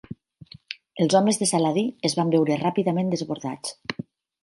Els homes de Saladí es van veure ràpidament desbordats.